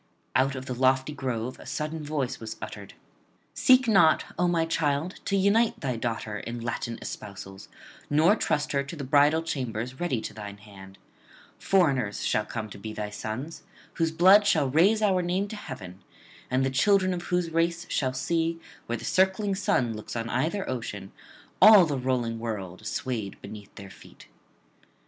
Out of the lofty grove a sudden voice was uttered: 'Seek not, O my child, to unite thy daughter in Latin espousals, nor trust her to the bridal chambers ready to thine hand; foreigners shall come to be thy sons, whose blood shall raise our name to heaven, and the children of whose race shall see, where the circling sun looks on either ocean, all the rolling world swayed beneath their feet.'